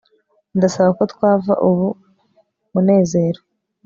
ndasaba ko twava ubu, munezero